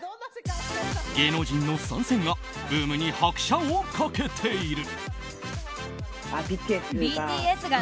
芸能人の参戦がブームに拍車を掛けている。